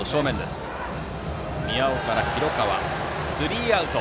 宮尾から広川に渡ってスリーアウト。